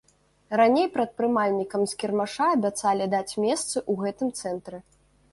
Раней прадпрымальнікам з кірмаша абяцалі даць месцы ў гэтым цэнтры.